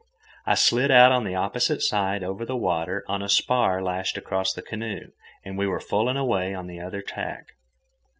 I slid out on the opposite side over the water on a spar lashed across the canoe, and we were full and away on the other tack.